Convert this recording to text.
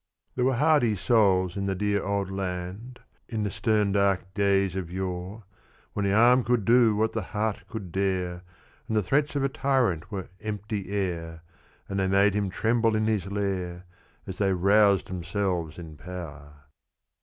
There were hardy souls in the "Dear Old Land," In the stern dark days of yore, When the arm could do what the heart could dare, And the threats of a tyrant were "empty air," And they made him tremble in his lair, As they roused themselves in power.